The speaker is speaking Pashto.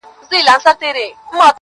يې ياره شرموه مي مه ته هرڅه لرې ياره.